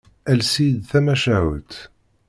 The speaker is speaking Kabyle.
Ales-iyi-d tamacahut.